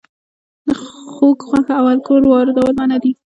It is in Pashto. د خوګ غوښه او الکول واردول منع دي؟